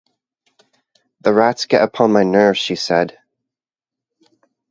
"The rats get upon my nerves," she said